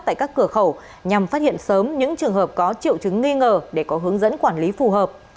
tại các cửa khẩu nhằm phát hiện sớm những trường hợp có triệu chứng nghi ngờ để có hướng dẫn quản lý phù hợp